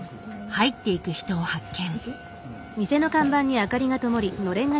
入っていく人を発見。